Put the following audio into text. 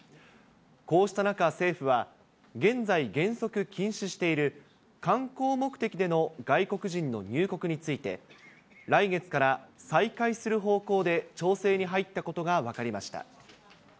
こうした中、政府は、現在、原則禁止している観光目的での外国人の入国について、来月から再開する方向で調整に入ったことが分かりました。